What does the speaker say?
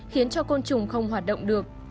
khiến cho côn trùng không hoạt động được